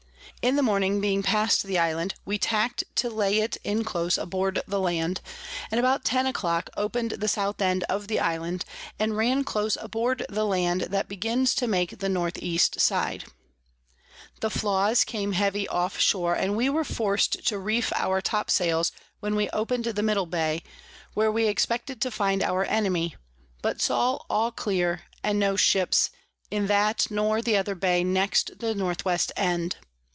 In the Morning, being past the Island, we tack'd to lay it in close aboard the Land; and about ten a clock open'd the South End of the Island, and ran close aboard the Land that begins to make the North East side. The Flaws came heavy off shore, and we were forc'd to reef our Top sails when we open'd the middle Bay, where we expected to find our Enemy, but saw all clear, and no Ships in that nor the other Bay next the N W. End.